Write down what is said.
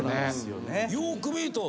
よく見ると。